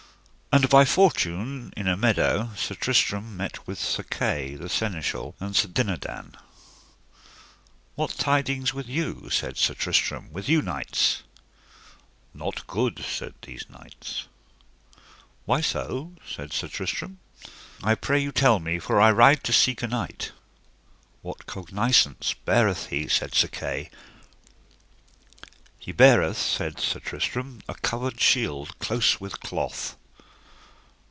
And by fortune in a meadow Sir Tristram met with Sir Kay, the Seneschal, and Sir Dinadan. What tidings with you, said Sir Tristram, with you knights? Not good, said these knights. Why so? said Sir Tristram; I pray you tell me, for I ride to seek a knight. What cognisance beareth he? said Sir Kay. He beareth, said Sir Tristram, a covered shield close with cloth.